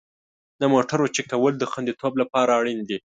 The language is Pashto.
د موټرو چک کول د خوندیتوب لپاره اړین دي.